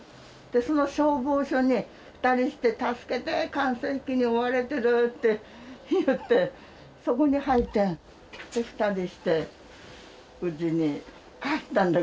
その消防署に２人して「助けて艦載機に追われてる」って言ってそこに入って２人してうちに帰ったんだけど。